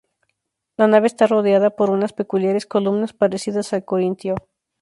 La nave está rodeada por unas peculiares columnas parecidas al corintio.